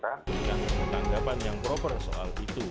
dan menanggapan yang proper soal itu